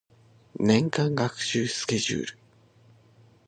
年間学習スケジュール